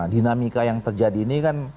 dinamika yang terjadi ini kan